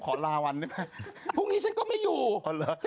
เค้าไม่ได้ปั้นเราเป็นตลก